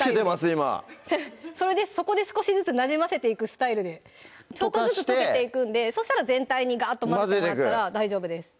今それで少しずつ馴染ませていくスタイルでちょっとずつ溶けていくんでそしたら全体に混ぜてもらったら大丈夫です